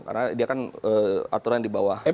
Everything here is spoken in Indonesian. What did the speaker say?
karena dia kan aturan di bawah